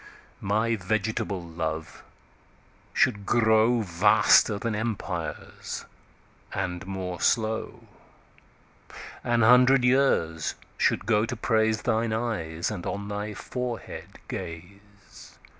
My vegetable Love should growVaster then Empires, and more slow. An hundred years should go to praiseThine Eyes, and on thy Forehead Gaze.